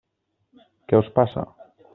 Què us passa?